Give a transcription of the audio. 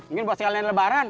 mungkin buat sekalian lebaran